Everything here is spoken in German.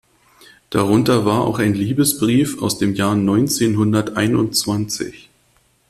Darunter war auch ein Liebesbrief aus dem Jahr neunzehnhunderteinundzwanzig.